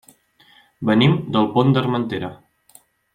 Venim del Pont d'Armentera.